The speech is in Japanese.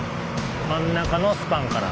真ん中のスパンから。